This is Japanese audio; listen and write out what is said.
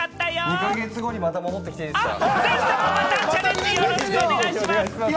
２か月後にまた戻ってきていいですか？